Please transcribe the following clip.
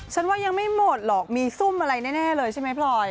ว่ายังไม่หมดหรอกมีซุ่มอะไรแน่เลยใช่ไหมพลอย